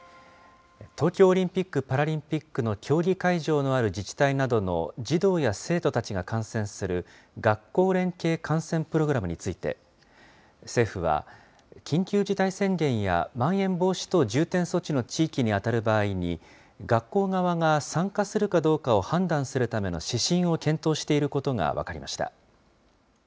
東京オリンピック・パラリンピックの競技会場のある自治体などの児童や生徒たちが観戦する学校連携観戦プログラムについて、政府は、緊急事態宣言や、まん延防止等重点措置の地域に当たる場合に、学校側が参加するかどうかを判断するための指針を検討していることが分かりました。